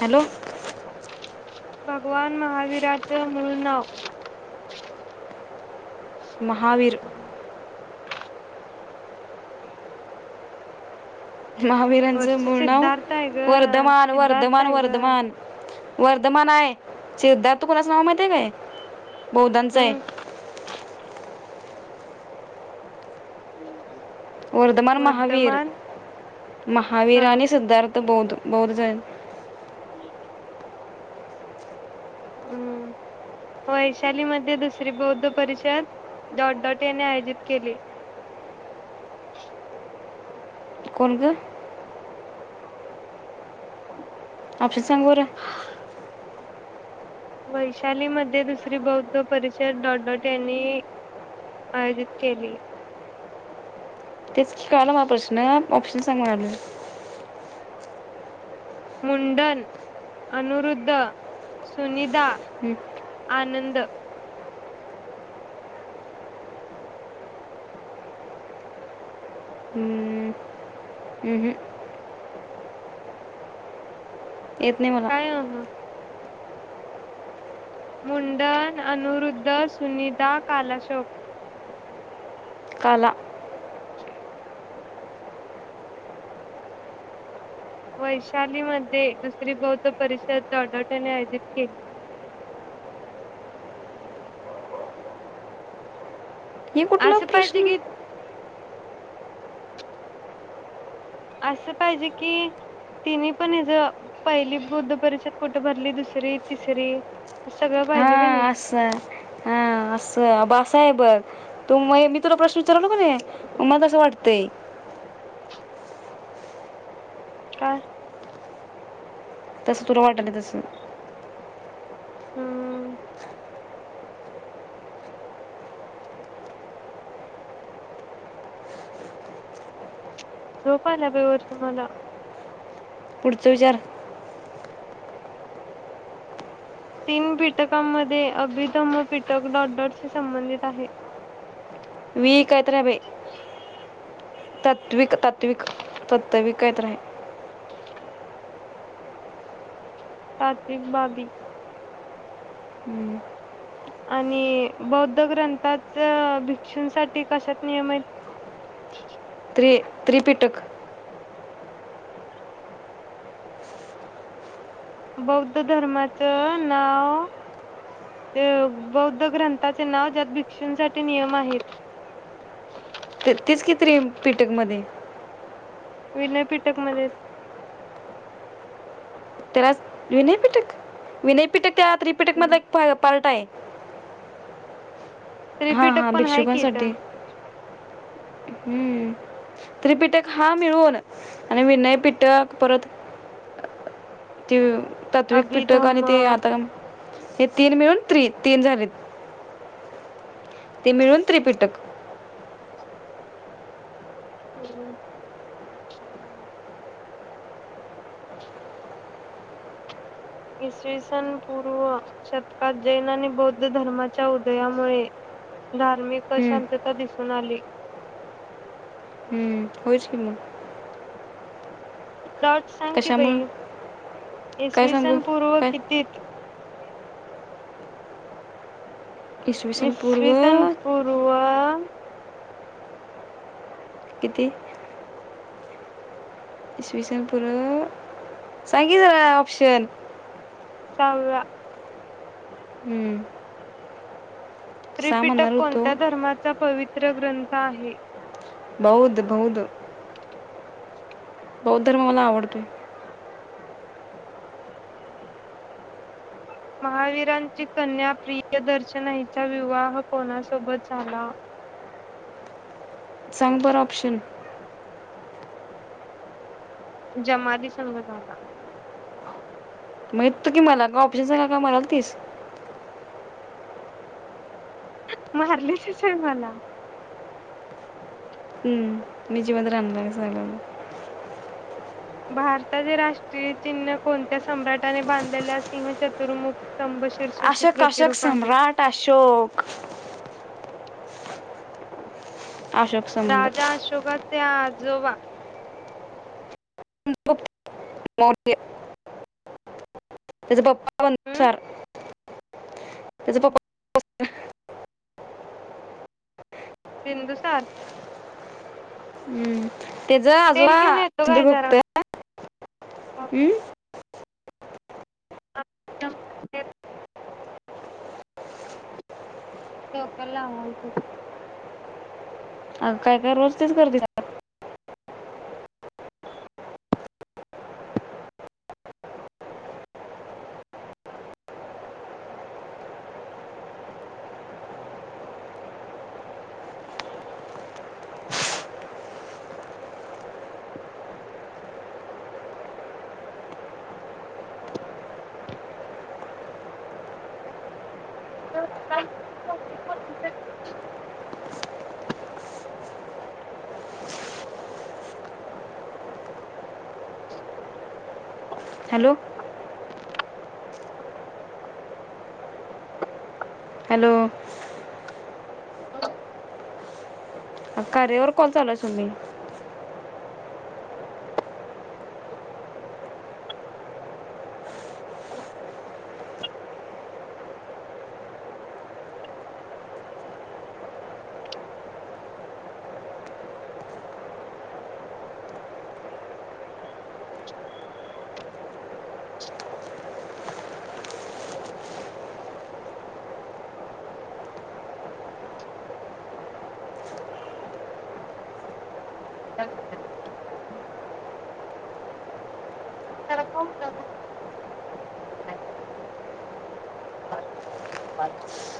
Hello! भगवान महावीराचे मूळ नाव महावीर महावीरांचं वर्ष मूळ नाव सिद्धार्थ आहे ग वर्धमान सिद्धार्थ वर्धमान आहे ग वर्धमान. वर्धमान हाय सिद्धार्थ कोणाचं नाव माहिती आहे काय बौद्धांच हाय हम्म [unintelligible] वर्धमान महावीर वर्धमान हा महावीर आणि सिद्धार्थ तो बौद- बौद जैन हम् [unintelligible] हम् वैशाली मध्ये दुसरी बौद्ध परिषद डॉट- डॉट याने आयोजित केली. कोण गं! ऑप्शन सांग बर! वैशाली मध्ये दुसरी बौद्ध परिषद डॉट -डॉट यांनी आयोजित केली. तेच की कळालं मला प्रश्न ऑप्शन सांग म्हनालोय. मुंडन, अनुरुद्ध, सुनीध डा हम्म. आनंद हम्म. हम्म. येत नाही मला काय हं ह मुंडन, अनुरुद्ध, सुनीता, कालशोक. काला वैशालीमध्ये दुसरी बौद्ध परिषद डॉट डॉट यांनी आयोजित केली. ही कुठला असं पाहिजे प्रश्न की असं पाहिजे कि तिने पण हिज पहिली बुद्ध परिषद कुठं भरली दुसरी तिसरी सगळं पाहिजे हा का नाही असं हा असं ब असं स आहे बग मी तुला प्रश्न विचारायलो कनय म तस वाटतय काय? तस तुला वाटालय तस हम्म झोप आलीया बाई वर्षा मला पुढचं विचार तीन पीटकांमध्ये अभिधम पीटक डॉट डॉटशी संबंधित आहे. मी काय तरी हा बय तात्विक तात्विक तातविक काही तरी हाय तात्विक बाबी हम्म. आणि बौद्ध ग्रंथाच भिक्षूसाठी कशात नियमित हाइत. त्रि त्रिपिटक बौद्ध धर्माच नाव ते बौद्ध ग्रंथाचे नाव ज्यात भिक्षूंसाठी नियम आहेत. ते तीच कि त्रिपिटकमध्ये विनय पीठकमध्ये तेलाच विनयपीठक विनयपीठक त्यात रिपीटकमधला एक पा पार्ट आहे. हा त्रिपिटक हा पण आहे की भिक्षुकांसाठी इथं हम्म. त्रिपिटक हा मिळून आणि विनय पिटक परत तिव तातविक पिठक आणि अभिधम्म ते आता हे तीन मिळून त्रि तीन झालेत. ती मिळून त्रिपिटक. म्हणून इसवी सन पूर्व शतकात जैन आणि बौद्ध धर्माच्या उदयामुळे धार्मिक हम्म, अशांतता दिसत सणाली हम्म, होयच की म डॉट सांग की कशामुळं बई, काय इसवी सांगू सन पूर्व काय कितीत? इसवी सन पूर्व इसवीसनपूर्व किती? इसवी सन पुर्व सांग की जरा ऑपशन साव्या सांग त्रिपीटक म्हणणार होतो कोणत्या धर्माचा पवीत तो ग्रंथ आहे. बौद्ध बौद्ध बौद्ध धर्म मला आवडतोय. महावीरांची कन्या प्रियदर्शना हीचा विवाह कोणासोबत झाला. सांग बर ऑप्शन. जमाली संघ झाला. मग येत कि मला का ऑप्शन सांगायला मरालतीस. मारलेचच हाय मला. हम्म मी जिवंत राहणार आहे सांगायला भारताचे राष्ट्रीय चिन्ह कोणत्या सम्राटाने बांधलेले सिंह चतुर्मुख स्तंभ शीर्षशी अशोक अशोक प्रतिरूप आहे सम्राट अशोक अशोक समद राजा अशोकात त्याजोवा गुप्त [unintelligible] त्याज पप्पा हम्म [unintelligible] ह्याज पप्पा बिंदुसार हम्म. त्याचा तेल आजोबा घेऊन येतो काय द्रृप्त जरा हम आता माझे तो पला हलतय अ काय काय रोज तेच करते का काय? [unintelligible] हॅलो हॅलो कार्यावर काँल चालूय सुमे. [inaudible] [unintelligible] जरा [unintelligible] [inaudible]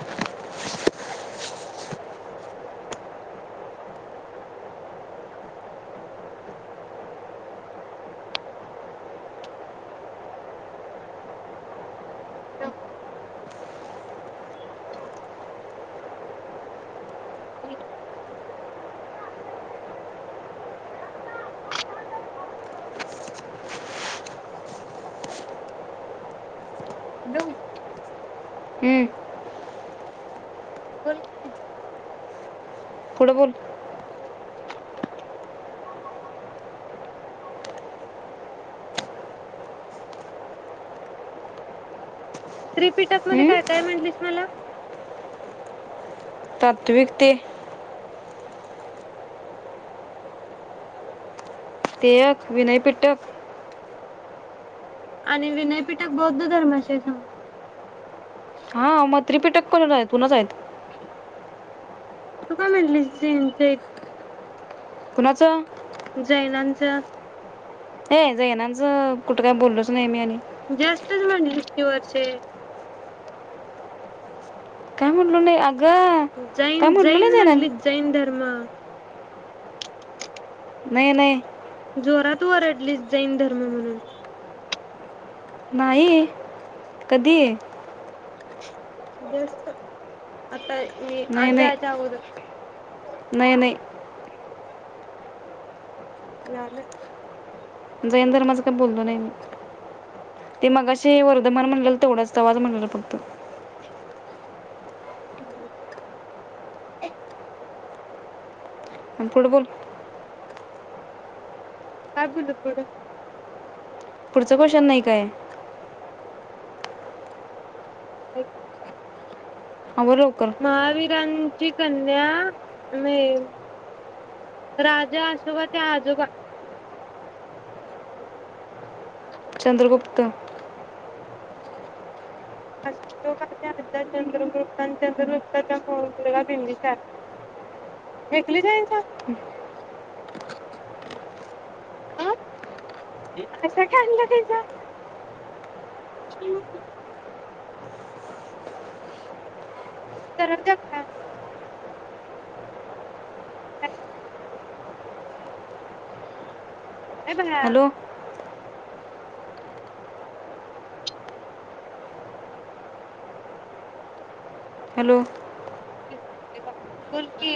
त [unintelligible] हॅलो हम्म बोल की? पुढ बोल [inaudible] त्रिपीठक मध्ये हम्म. काय काय म्हटलीस मला. तत्विकते तेयाक विनयपीटक आणि विनयपीठक बौद्ध धर्माशी संबंध [unintelligible] तू काय म्हंटली [inaudible] कुणाच? [inaudible] ये जैनानं ज कुठं काय बोललोच नाही मी आणि [inaudible] वरचे काय म्हणालो नाही अगं काय जैन म्हटलो नाही जैन जैनान म्हंटली जैन ध..... मग नाही नाही जोरात वरडलीस जैन धर्म म्हणून नाही कधी? जस्ट आता मी नाही आत नाही याच्या अगोदर नाही नाही [inaudible] झालं जैन धर्माचं काही बोललो नाही मी ते मगाशी वर्धमान म्हणलेलं तेवढेच तवाच म्हणलो फक्त बर आणि फुटबॉल काय बोलत बोलत पुढचं क्वेशन नाही काय? [inaudible] आवर लवकर महावीरां ची कन्या मे राजा आशोबाच्या आजोबा चंद्रगुप्त अशोकाचा आज चंद्रगुप्त आणि चंद्रगुप्ताचा मुलगा बिंबिसार येकलीस हायसा [unintelligible] तरड जेवतात. [unintelligible] हॅलो [unintelligible] हॅलो [inaudible] बोल की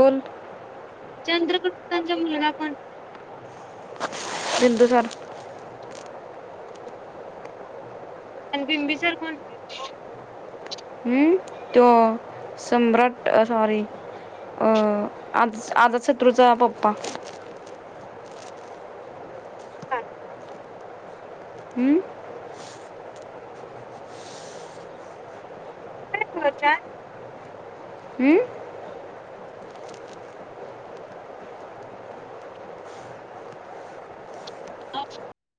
बोल चंद्रगुप्तचा मुलगा कोण? बिंदुसार आणि बिंबिसार कोण? हं? तो सम्राट सॉरी अ आ आदशत्रूचा पप्पा छान हं? [unintelligible] हं? [unintelligible]